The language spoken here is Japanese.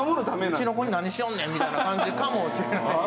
「うちの子に何しよんねん！」みたいな感じかもしれない。